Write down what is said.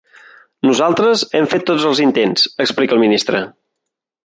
Nosaltres hem fet tots els intents, explica el ministre.